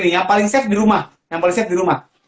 yang paling safe di rumah